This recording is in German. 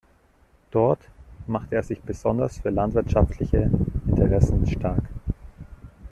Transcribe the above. Dort machte er sich besonders für landwirtschaftliche Interessen stark.